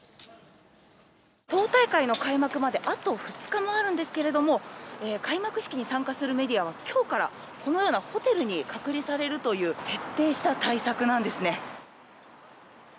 党大会の開幕まであと２日もあるんですけれども、開幕式に参加するメディアは今日からこのようなホテルに隔離されるという徹底した対策なんですね。